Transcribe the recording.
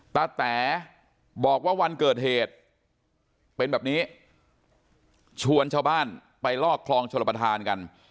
แต๋บอกว่าวันเกิดเหตุเป็นแบบนี้ชวนชาวบ้านไปลอกคลองชลประธานกัน